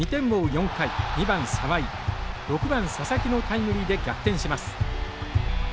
４回２番沢井６番佐々木のタイムリーで逆転します。